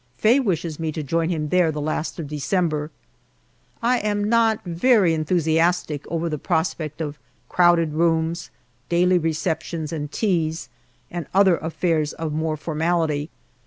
Faye wishes me to join him there the last of December. I am not very enthusiastic over the prospect of crowded rooms, daily receptions and "teas," and other affairs of more formality.